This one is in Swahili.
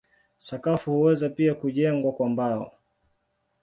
Sakafu huweza pia kujengwa kwa mbao.